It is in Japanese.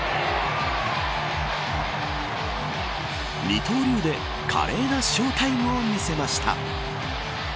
二刀流で華麗なショータイムを見せました。